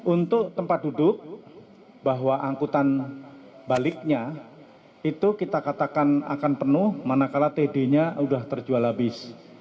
untuk tempat duduk bahwa angkutan baliknya itu kita katakan akan penuh manakala td nya sudah terjual habis